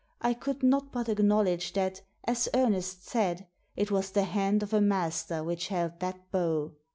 — I could not but acknow ledge that, as Ernest said, it was the hand of a master which held that bow.